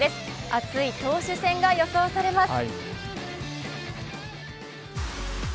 熱い投手戦が予想されます。